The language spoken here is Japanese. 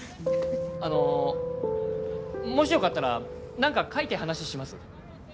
あの、もしよかったら何か書いて話します？